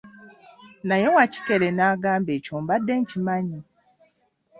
Naye Wakikere n'agamba, ekyo mbadde nkimanyi.